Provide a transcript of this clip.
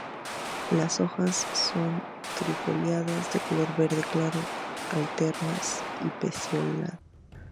Las hojas son trifoliadas, de color verde claro, alternas y pecioladas.